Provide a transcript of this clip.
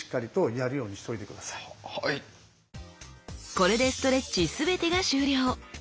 これでストレッチ全てが終了。